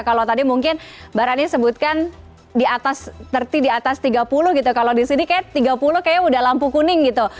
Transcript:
kalau tadi mungkin barangnya disebutkan di atas tiga puluh gitu kalau di sini kayak tiga puluh kayaknya udah lampu kuning gitu